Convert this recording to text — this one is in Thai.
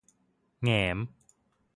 แหงม